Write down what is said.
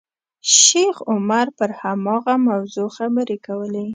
شیخ عمر پر هماغه موضوع خبرې کولې.